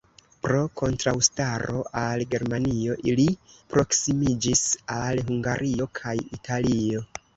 Pro kontraŭstaro al Germanio, li proksimiĝis al Hungario kaj Italio.